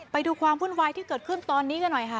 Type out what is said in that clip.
ไปดูความวุ่นวายที่เกิดขึ้นตอนนี้กันหน่อยค่ะ